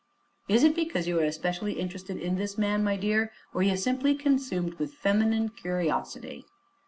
"Is it because you are especially interested in this man, my dear, or are ye simply consumed with feminine curiosity?"